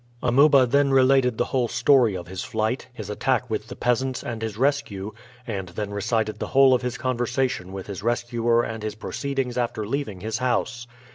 Amuba then related the whole story of his flight, his attack with the peasants and his rescue, and then recited the whole of his conversation with his rescuer and his proceedings after leaving his house.